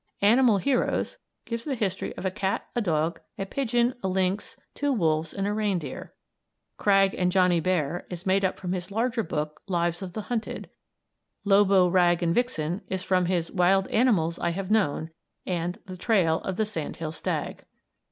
"Animal Heroes" gives the history of a cat, a dog, a pigeon, a lynx, two wolves and a reindeer; "Krag and Johnny Bear" is made up from his larger book, "Lives of the Hunted"; "Lobo, Rag and Vixen" is from his "Wild Animals I Have Known," and "The Trail of the Sandhill Stag."